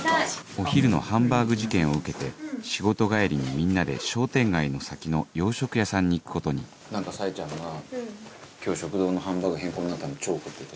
お昼のハンバーグ事件を受けて仕事帰りにみんなで商店街の先の洋食屋さんに行くことに何かサエちゃんが今日食堂のハンバーグ変更になったの超怒ってて。